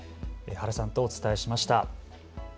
原さんとお伝えしました。